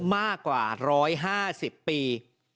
มากกว่า๑๕๐ปี